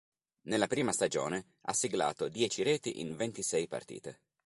Nella prima stagione, ha siglato dieci reti in ventisei partite.